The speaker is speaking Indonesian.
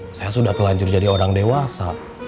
ya saya sudah telanjut jadi orang dewasa